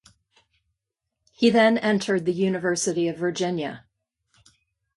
He then entered the University of Virginia.